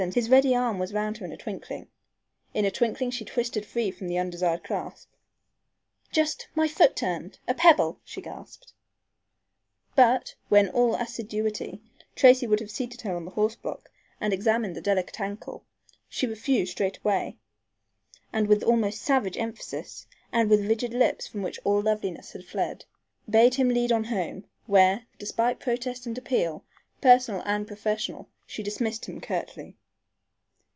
His ready arm was round her in a twinkling. In a twinkling she twisted free from the undesired clasp. "Just my foot turned! a pebble!" she gasped. But when, all assiduity, Tracy would have seated her on the horseblock and examined the delicate ankle, she refused straightway, and with almost savage emphasis, and with rigid lips from which all loveliness had fled, bade him lead on home, where, despite protest and appeal, personal and professional, she dismissed him curtly.